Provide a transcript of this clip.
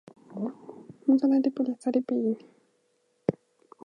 It may take the form of an animal or bird.